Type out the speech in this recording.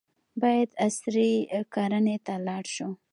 باید عصري کرنې ته لاړ شو.